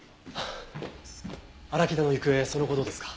荒木田の行方その後どうですか？